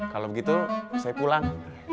kalau begitu saya pulang